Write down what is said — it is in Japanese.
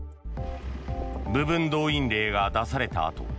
部分動員令が出されたあと